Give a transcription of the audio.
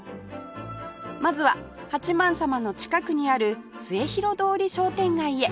まずは八幡様の近くにある末広通り商店街へ